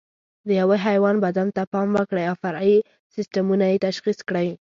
د یوه حیوان بدن ته پام وکړئ او فرعي سیسټمونه یې تشخیص کړئ.